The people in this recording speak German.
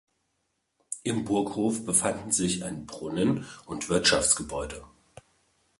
Im Burghof befanden sich ein Brunnen und Wirtschaftsgebäude.